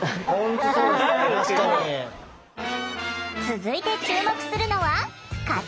続いて注目するのは形。